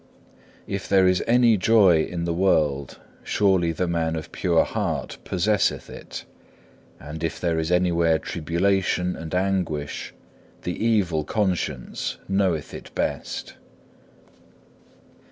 If there is any joy in the world surely the man of pure heart possesseth it, and if there is anywhere tribulation and anguish, the evil conscience knoweth it best.